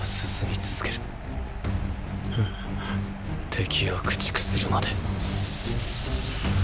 敵を駆逐するまで。